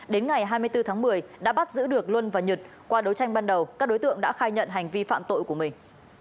đến ngày hai mươi bốn tháng một mươi đã bắt giữ được luân và nhật qua đấu tranh ban đầu các đối tượng đã khai nhận hành vi phạm tội của mình